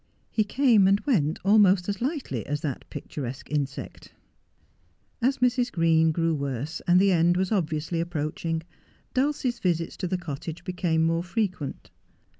He came and went almost as lightly as that picturesque insect. As Mrs. Green grew worse, and the end was obviously approaching, Dulcie's visits to the cottage became more frequent.